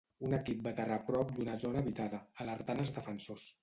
Un equip va aterrar prop d'una zona habitada, alertant els defensors.